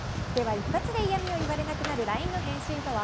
一発で嫌みを言われなくなるＬＩＮＥの返信とは？